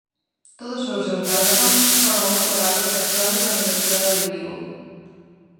Todos os seus galardóns foron outorgados a estudantes da Universidade de Vigo.